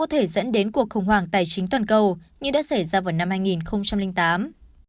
thể dẫn đến cuộc khủng hoảng tài chính toàn cầu như đã xảy ra vào năm hai nghìn tám